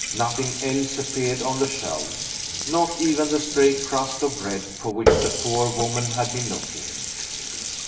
Nothing else appeared on the shelves; not even the stray crust of bread for which the poor woman had been looking.